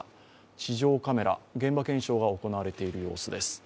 地上カメラ、現場検証が行われている様子です。